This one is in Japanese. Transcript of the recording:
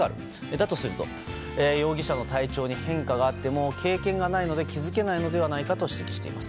だとすると容疑者の体調に変化があっても経験がないので気づけないのではないかと指摘しています。